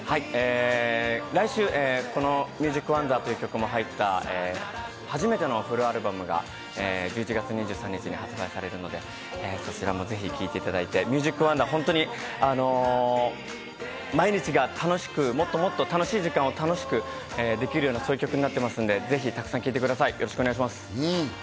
来週『ＭＵＳＩＣＷＯＮＤＥＲ』という曲も入った初めてのフルアルバムが１１月２３日に発売されるので、そちらもぜひ聴いていただいて、『ＭＵＳＩＣＷＯＮＤＥＲ』本当に毎日が楽しく、もっともっと楽しい時間を楽しくできるような、そういう曲になっていますので、ぜひたくさん聴いてください、よろしくお願いします。